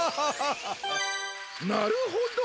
なるほど！